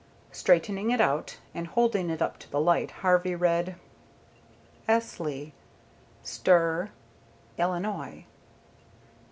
Straightening it out, and holding it up to the light, Harvey read: esleigh, ster, Illinois.